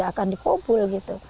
saya akan dikumpul gitu